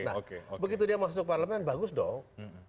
nah begitu dia masuk parlemen bagus dong